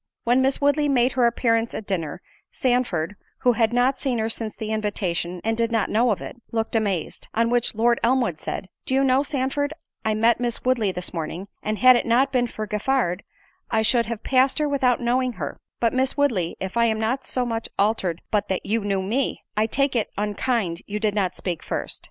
When Miss Woodley made her appearance at dinner, Sandford, (who had not seen her since the invitation, and did not know of it) looked amazed; on which Lord Elmwood said, "Do you know, Sandford, I met Miss Woodley this morning, and had it not been for Giffard, I should have passed her without knowing her—but Miss Woodley, if I am not so much altered but that you knew me, I take it unkind you did not speak first."